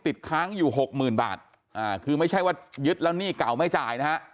ติดค้างอยู่๖๐๐๐๐บาทคือไม่ใช่ว่ายึดแล้วหนี้เก่าไม่จ่ายนะ